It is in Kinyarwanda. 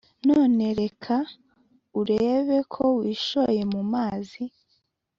none reka urebeko wishoye mumazi